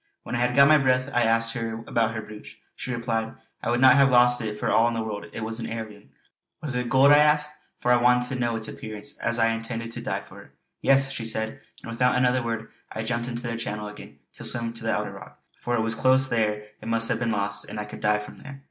When I had got my breath I asked her about her brooch. She replied: "I would not have lost it for all the world. It is an heirloom." "Was it gold?" I asked, for I wanted to know its appearance as I intended to dive for it. "Yes!" she said, and without another word I jumped into the channel again to swim to the outer rock, for it was close there it must have been lost and I could dive from there.